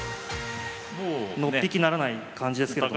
のっぴきならない感じですけれども。